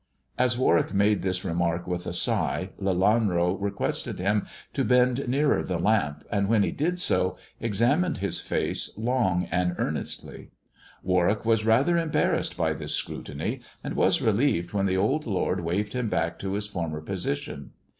As Warwick made this remark with a sigh, Lelanro requested him to bend nearer the lamp, and, when he did bo, examined his fa^ long and earnestly. Warwick was taUier embarrassed by this scrutiny, and was relieved when tibft old lord waved him back to his former position.